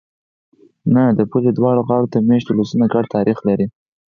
نه! د پولې دواړو غاړو ته مېشت ولسونه ګډ تاریخ لري.